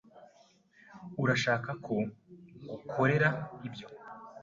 Urashaka ko ngukorera ibyo?